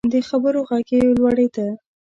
د خبرو غږ یې لوړیده.